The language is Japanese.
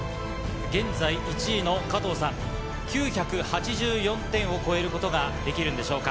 現在１位の加藤さん９８４点を超えることができるでしょうか？